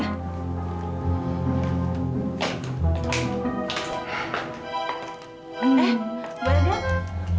eh bu agah